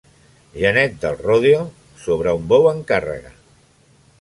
Genet del rodeo sobre un bou en càrrega.